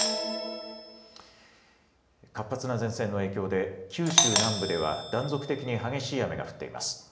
活発な前線の影響で九州南部では断続的に激しい雨が降っています。